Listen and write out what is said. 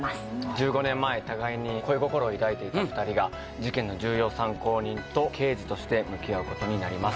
１５年前互いに恋心を抱いていた２人が事件の重要参考人と刑事として向き合うことになります